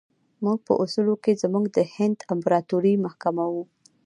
موږ په اصولو کې زموږ د هند امپراطوري محکوموو.